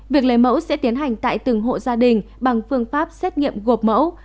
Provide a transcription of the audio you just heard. việc lấy mẫu sẽ tiến hành tại từng hộ gia đình bằng phương pháp xét nghiệm gộp mẫu